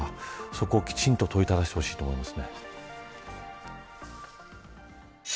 そこをきちんと問いただしてほしいと思います。